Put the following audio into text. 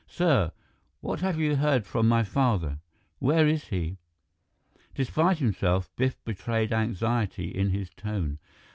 "Sir what have you heard from my father? Where is he?" Despite himself, Biff betrayed anxiety in his tone.